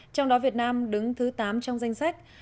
trong đó việt nam đứng thứ tám trong danh sách